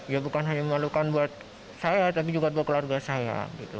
ya bukan hanya memalukan buat saya tapi juga buat keluarga saya